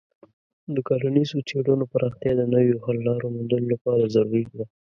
د کرنیزو څیړنو پراختیا د نویو حل لارو موندلو لپاره ضروري ده.